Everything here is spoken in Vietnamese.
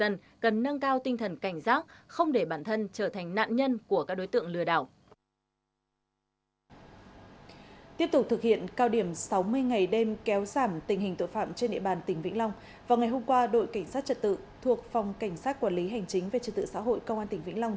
nhận được tin báo của quần chúng nhân dân đội cảnh sát trật tự thuộc phòng cảnh sát quản lý hành chính về trật tự xã hội công an tỉnh vĩnh long